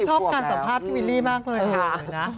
ชอบการสัมภาพพี่วิลลี่มากเลย